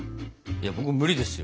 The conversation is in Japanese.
いや僕無理ですよ。